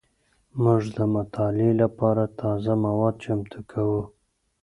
موږ د مطالعې لپاره تازه مواد چمتو کوو.